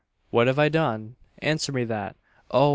What have I done? Answer me that! Oh!